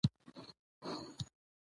او له دولسم ټولګي څخه فارغ شوی و،